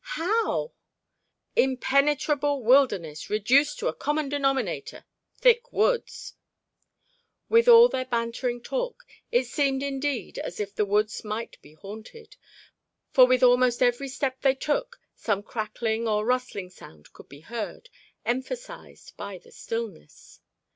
"How?" "Impenetrable wilderness—reduced to a common denominator, thick woods." Withal their bantering talk, it seemed indeed as if the woods might be haunted, for with almost every step they took some crackling or rustling sound could be heard, emphasized by the stillness.